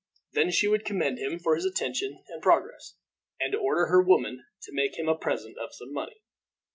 Then she would commend him for his attention and progress, and order her woman to make him a present of some money.